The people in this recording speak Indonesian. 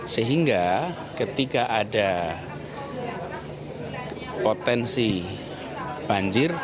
sehingga ketika ada potensi banjir